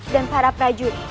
dan para prajurit